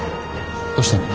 どうしたの？